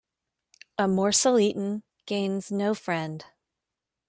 A morsel eaten gains no friend